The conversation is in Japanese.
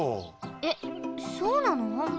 えっそうなの？